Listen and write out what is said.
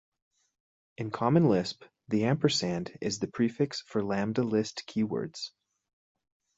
In Common Lisp, the ampersand is the prefix for lambda list keywords.